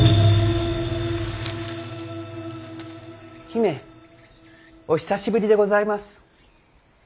姫お久しぶりでございます。